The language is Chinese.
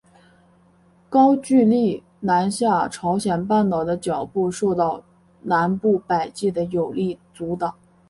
高句丽南下朝鲜半岛的脚步受到南部百济的有力阻挡。